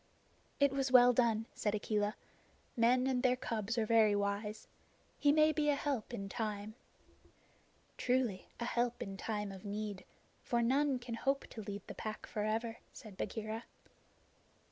"It was well done," said Akela. "Men and their cubs are very wise. He may be a help in time." "Truly, a help in time of need; for none can hope to lead the Pack forever," said Bagheera.